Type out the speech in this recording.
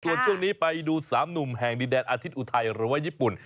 ส่วนช่วงนี้ไปดู๓หนุ่มแห่งดินแดนอาทิตย์อุทัยหรือว่าญี่ปุ่น